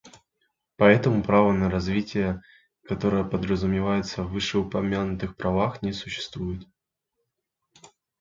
Поэтому право на развитие, которое подразумевается в вышеупомянутых правах, не существует.